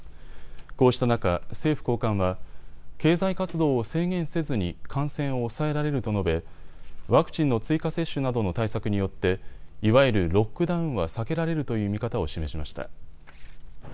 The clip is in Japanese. こうした中、政府高官は経済活動を制限せずに感染を抑えられると述べワクチンの追加接種などの対策によっていわゆるロックダウンは避けられるという見方を示しました。